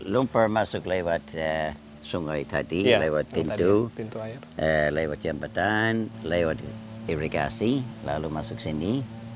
lumpur masuk lewat sungai tadi lewat pintu lewat jembatan lewat ibrikasi lalu masuk sini